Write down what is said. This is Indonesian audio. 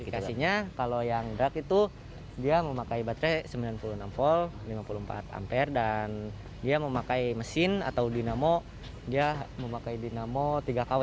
aplikasinya kalau yang drug itu dia memakai baterai sembilan puluh enam volt lima puluh empat ampere dan dia memakai mesin atau dinamo dia memakai dinamo tiga kw